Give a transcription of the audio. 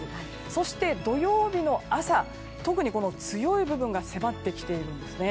そして、土曜日の朝特に強い部分が迫ってきているんですね。